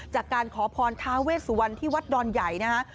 จากการขอพรทาเวสุวรรณที่วัดดอนใหญ่นะฮะ